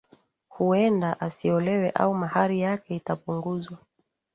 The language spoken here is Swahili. Huwenda asiolewe au mahari yake itapunguzwa